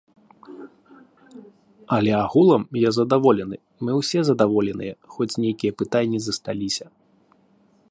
Але агулам я задаволены, мы ўсе задаволеныя, хоць нейкія пытанні засталіся.